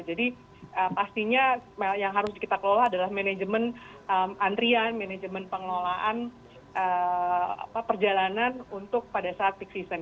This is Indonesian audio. jadi pastinya yang harus kita kelola adalah manajemen antrian manajemen pengelolaan perjalanan untuk pada saat fixed season